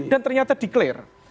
dan ternyata di clear